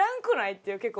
っていう結構。